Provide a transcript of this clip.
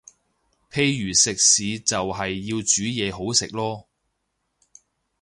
譬如食肆就係要煮嘢好食囉